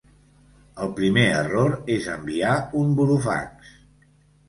El primer error és enviar un burofax.